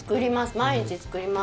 毎日作ります。